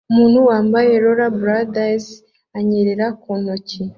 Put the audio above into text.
Umuntu wambaye Rollerblades anyerera ku ntoki